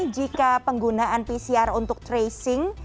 jika penggunaan pcr untuk tracing